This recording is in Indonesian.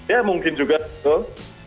ya mungkin juga betul